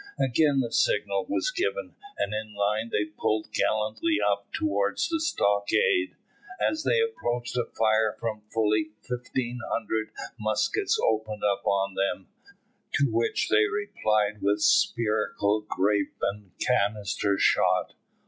Again the signal was given, and in line they pulled gallantly up towards the stockade. As they approached a fire from fully 1,500 muskets opened on them, to which they replied with spherical, grape, and canister shot.